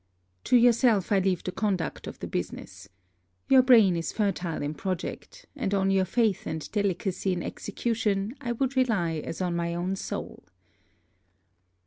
To yourself I leave the conduct of the business. Your brain is fertile in project; and on your faith and delicacy in execution I would rely as on my own soul.